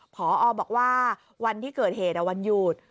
พอบอกว่าวันที่เกิดเหตุวันหยุด